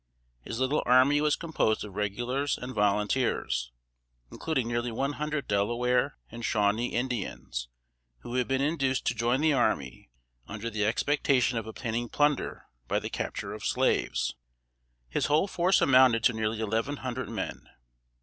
His little army was composed of regulars and volunteers, including nearly one hundred Delaware and Shawnee Indians, who had been induced to join the army under the expectation of obtaining plunder by the capture of slaves. His whole force amounted to nearly eleven hundred men.